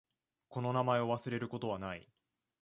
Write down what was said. この名前を忘れることはない。